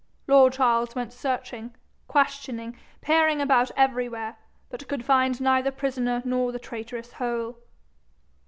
Lord Charles went searching, questioning, peering about everywhere, but could find neither prisoner nor the traitorous hole.